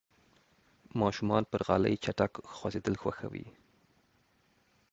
ماشومان پر غالۍ چټک خوځېدل خوښوي.